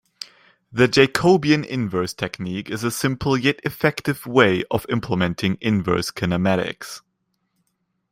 The Jacobian inverse technique is a simple yet effective way of implementing inverse kinematics.